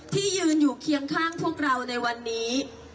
ที่ยืนอยู่เคียงข้างพวกเราในวันนี้